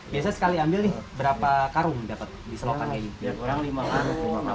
biasanya sekali ambil nih berapa karung dapat di selokan kayak gini